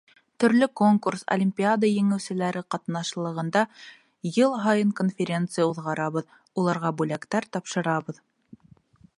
Төрлө конкурс, олимпиада еңеүселәре ҡатнашлығында йыл һайын конференция уҙғарабыҙ, уларға бүләктәр тапшырабыҙ.